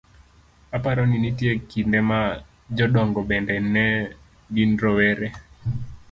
Aparo ni nitie kinde ma jodongo bende ne gin rowere